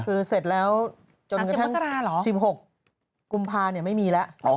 คือเสร็จแล้วจนกระทั่ง๑๖กุมภาเนี่ยไม่มีแล้วหรือว่าป่อด๓๐มักราหรอ